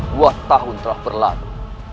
dua tahun telah berlalu